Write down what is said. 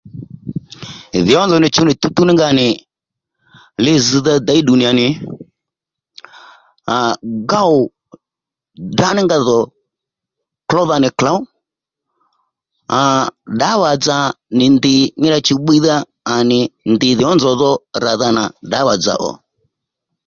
Dhǐ ó nzòw nì chǔw nì tuwtuw nì nga nì li zz̀dha děyddù à nì à gôw ddrá ní nga dho klódha nì klǒw à ddǎwà dza nì ndì nyi ra chùw bbiydha à nì dhì nzòw ní nzòw dho ràdha nà ddǎwà dzà ò